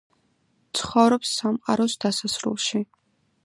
ცხოვრობს სამყაროს დასასრულში.